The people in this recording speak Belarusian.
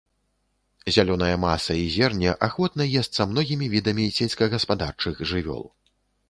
Зялёная маса і зерне ахвотна есца многімі відамі сельскагаспадарчых жывёл.